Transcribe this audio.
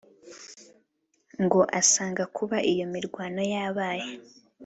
ngo asanga kuba iyo mirwano yabaye